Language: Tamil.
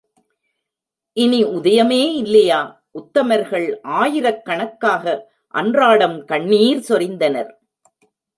இனி உதயமே இல்லையா உத்தமர்கள் ஆயிரக்கணக்காக அன்றாடம் கண்ணீர் சொரிந்தனர்.